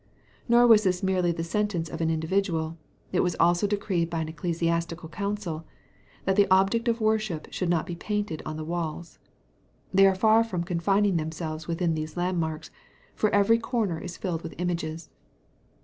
Nor was this merely the sentence of an individual; it was also decreed by an ecclesiastical council, that the object of worship should not be painted on the walls. They are far from confining themselves within these landmarks, for every corner is filled with images.